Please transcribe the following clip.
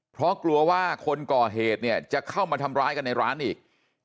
เพราะกลัวว่าคนก่อเหตุเนี่ยจะเข้ามาทำร้ายกันในร้านอีก